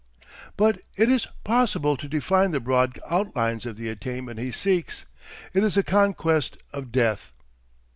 But it is possible to define the broad outlines of the attainment he seeks. It is the conquest of death.